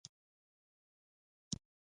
بیزو کله ناکله د انسان حرکات تقلیدوي.